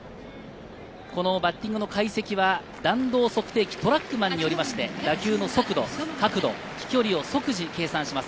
バッティングの解析は弾道測定器トラックマンによって、打球の速度、角度、飛距離を即時計算します。